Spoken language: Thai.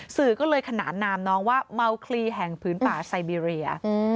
สื่อก็เลยขนานนามน้องว่าเมาคลีแห่งพื้นป่าไซเบรีย